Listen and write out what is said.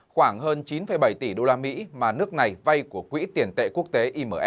khoảng hơn chín bảy tỷ usd mà nước này vay của quỹ tiền tế